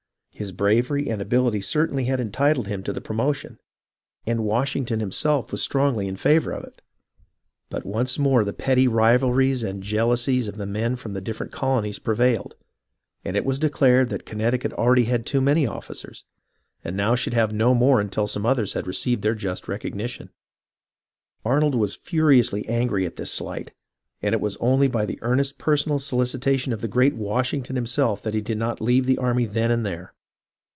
His bravery and abil ity certainly had entitled him to the promotion, and Washington himself was strongly in favour of it ; but once more the petty rivalries and jealousies of the men from the ARNOLD AND CARLETON 1 59 different colonies prevailed, and it was declared that Con necticut already had too many officers, and now should have no more until some others had received their just recognition. Arnold was furiously angry at this slight, and it was only by the earnest personal solicitation of the great Washington himself that he did not leave the army then and there.